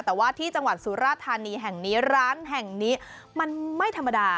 แต่ว่าที่จังหวัดสุราธานีแห่งนี้ร้านแห่งนี้มันไม่ธรรมดา